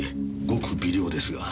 ごく微量ですが。